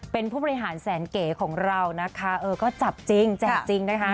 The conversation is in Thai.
เป็นผู้บริหารแสนเก๋ของเรานะคะเออก็จับจริงแจกจริงนะคะ